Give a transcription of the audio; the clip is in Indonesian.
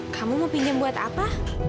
kamu pinjam buat apa